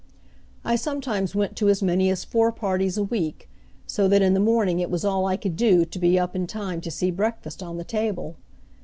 I sometimes went to as many as four parties a week, so that in the morning it was all I could do to be up in time to see breakfast on the table.